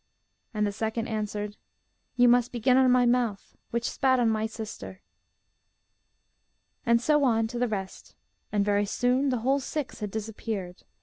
And the second answered, 'You must begin on my mouth, which spat on my sister.' And so on to the rest; and very soon the whole six had disappeared.